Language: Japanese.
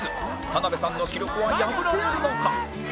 田辺さんの記録は破られるのか？